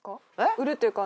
売るっていうか